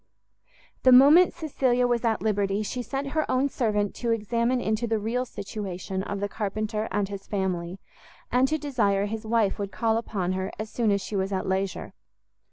The moment Cecilia was at liberty, she sent her own servant to examine into the real situation of the carpenter and his family, and to desire his wife would call upon her as soon as she was at leisure.